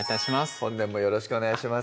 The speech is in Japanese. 本年もよろしくお願いします